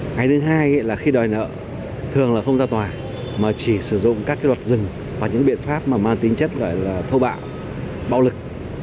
cái thứ hai là khi đòi nợ thường là không ra tòa mà chỉ sử dụng các luật rừng và những biện pháp mà mang tính chất gọi là thô bạo bạo lực